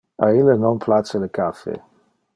A ille non place le caffe.